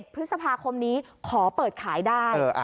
พฤษภาคมนี้ขอเปิดขายได้